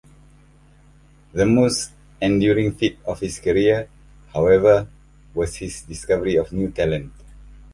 The most enduring feat of his career, however, was his discovery of new talent.